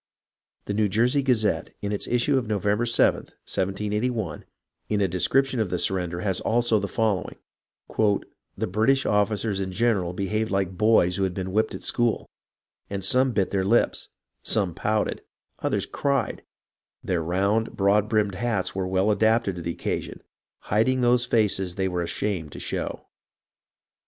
The Neiv Jersey Gazette, in its issue of November 7th, 1 78 1, in a description of the surrender has also the following: "The British officers in general behaved like boys who have been whipped at school ; some bit their lips, some pouted, others cried ; their round, broad brimmed hats were well adapted to the occasion, hiding those faces they were ashamed to show.